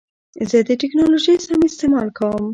زه د ټکنالوژۍ سم استعمال کوم.